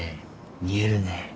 見えるね。